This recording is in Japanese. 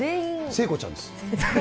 聖子ちゃんです。